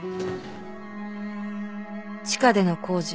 地下での工事。